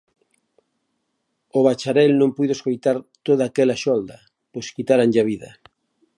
O bacharel non puido escoitar toda aquela xolda, pois quitáranlle a vida.